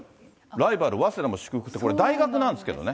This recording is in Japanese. ライバル、早稲田も祝福って、これ大学なんですけどね。